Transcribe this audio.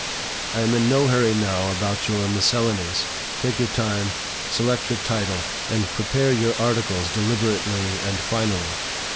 I am in no hurry now about your 'Miscellanies;' take your time, select your title, and prepare your articles deliberately and finally.